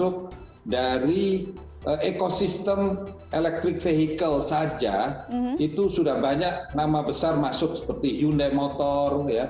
yang sudah masuk dari ekosistem elektrik vehikel saja itu sudah banyak nama besar masuk seperti hyundai motor